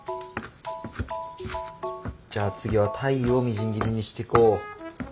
じゃあ次は鯛をみじん切りにしていこう。